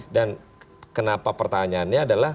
dan kenapa pertanyaannya adalah